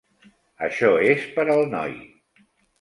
Això és per al noi.